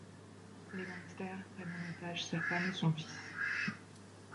Les gangsters prennent en otage sa femme et son fils.